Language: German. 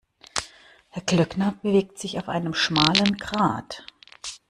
Herr Glöckner bewegt sich auf einem schmalen Grat.